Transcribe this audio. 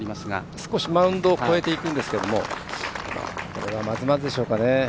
少しマウンドを越えていくんですがまずまずでしょうかね。